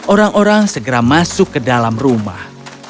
orang orang segera masuk ke dalam rumah